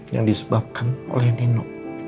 yang disebabkan oleh nino